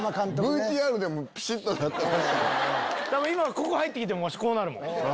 ここ入ってきてもこうなるもん。